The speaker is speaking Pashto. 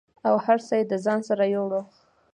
او هر څه یې د ځان سره یووړه